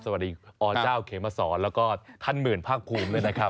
สวัสดีอเจ้าเขมสอนแล้วก็ท่านหมื่นภาคภูมิด้วยนะครับ